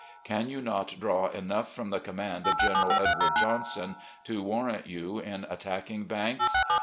Can you not draw enough from the command of General Edward Johnson to warrant you in attacking Banks